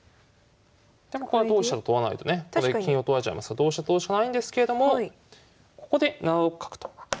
これは同飛車と取らないとね金を取られちゃいますから同飛車と取るしかないんですけれどもここで７六角と出てきます。